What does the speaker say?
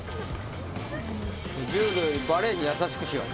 柔道よりバレーに優しくしよう。